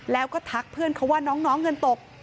แล้วก็ทักเพื่อนเขาว่าน้องเงินตก